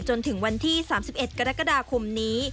จนถึงวันที่๓๑กรกฎาคมนี้